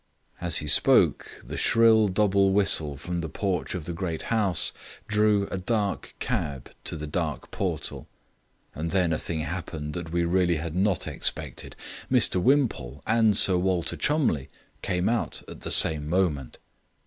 As he spoke the shrill double whistle from the porch of the great house drew a dark cab to the dark portal. And then a thing happened that we really had not expected. Mr Wimpole and Sir Walter Cholmondeliegh came out at the same moment.